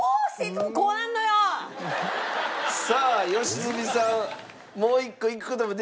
さあ良純さんもう一個いく事もできますが。